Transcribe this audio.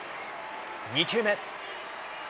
２球目。